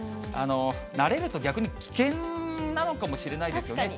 慣れると逆に危険なのかもしれないですよね。